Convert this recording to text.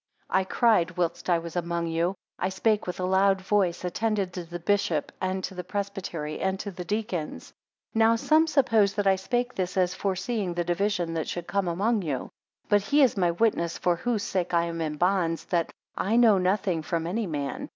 12 I cried whilst I was among you; I spake with a loud voice: attend to the bishop, and to the presbytery, and to the deacons. 13 Now some supposed that I spake this as foreseeing the division that should come among you. 14 But he is my witness for whose sake I am in bonds that I know nothing from any man.